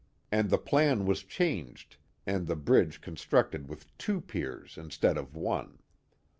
and thi; phn was changed and the bridge con structed with two piers instead of one.